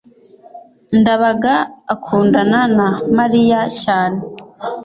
ndabaga akundana na mariya cyane